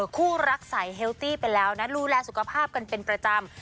คู่รักสายเฮลตี้ไปแล้วนะดูแลสุขภาพกันเป็นประจำ